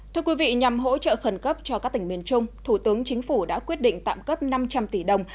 thưa quý vị nhằm hỗ trợ khẩn cấp cho các tỉnh miền trung thủ tướng chính phủ đã quyết định tạm cấp năm trăm linh tỷ đồng